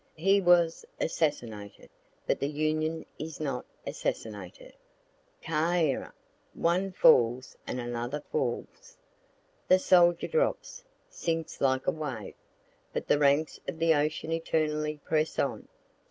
He was assassinated but the Union is not assassinated ça ira! One falls and another falls. The soldier drops, sinks like a wave but the ranks of the ocean eternally press on.